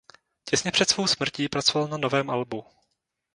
Těsně před svou smrtí pracoval na novém albu.